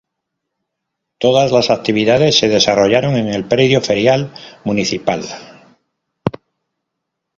Todas las actividades se desarrollaron en el Predio Ferial Municipal.